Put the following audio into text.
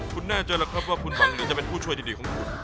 คุณแน่ใจแล้วครับว่าคุณหวังหรือจะเป็นผู้ช่วยดีของคุณ